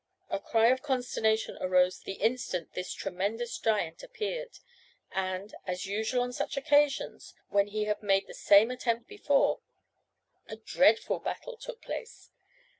A cry of consternation arose the instant this tremendous giant appeared, and, as usual on such occasions, when he had made the same attempt before, a dreadful battle took place.